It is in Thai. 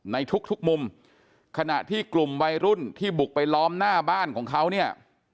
ในทุกทุกมุมขณะที่กลุ่มวัยรุ่นที่บุกไปล้อมหน้าบ้านของเขาเนี่ย